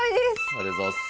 ありがとうございます。